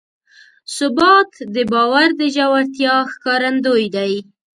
ثبات د باور د ژورتیا ښکارندوی دی.